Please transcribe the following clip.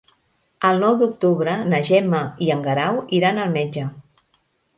El nou d'octubre na Gemma i en Guerau iran al metge.